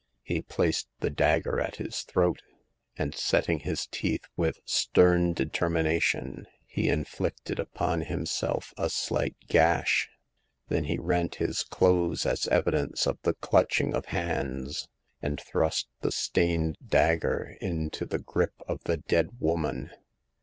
He placed the dagger at his throat, and set ting his teeth with stern determination, he in flicted upon himself a slight gash. Then he rent his clothes as evidence of the clutching of hands, and thrust the stained dagger into the grip of the dead woman.